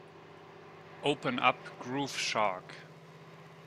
Open up Groove Shark.